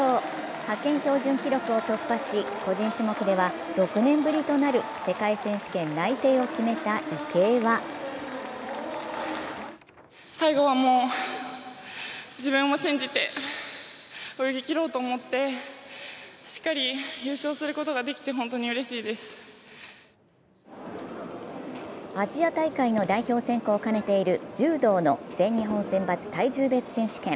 派遣標準記録を突破し個人種目では６年ぶりとなる世界選手権内定を決めた池江はアジア大会の代表選考を兼ねている柔道の全日本選抜体重別選手権。